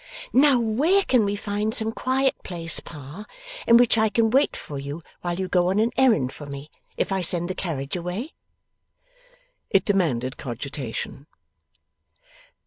'Now where can we find some quiet place, Pa, in which I can wait for you while you go on an errand for me, if I send the carriage away?' It demanded cogitation.